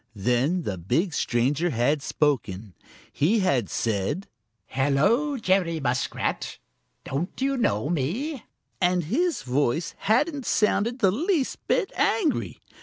Then the big stranger had spoken. He had said: "Hello, Jerry Muskrat! Don't you know me?" and his voice hadn't sounded the least bit angry.